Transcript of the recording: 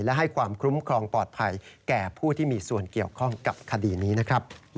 และให้ความคุ้มครองปลอดภัยแก่ผู้ที่มีส่วนเกี่ยวข้องกับคดีนี้นะครับ